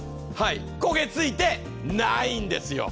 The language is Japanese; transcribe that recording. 焦げ付いてないんですよ。